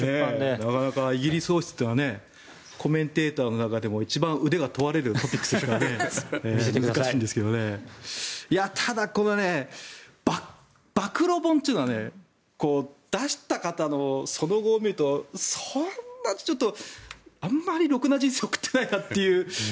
なかなかイギリス王室というのはコメンテーターの中でも一番腕が問われるトピックスですから難しいんですがただ、この暴露本というのは出した方のその後を見るとあまりろくな人生を送っていないなという。